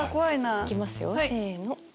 行きますよせの。